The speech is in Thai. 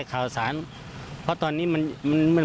พวกเขามาเที่ยวในจังหวัดลบบุรีได้อย่างมั่นใจ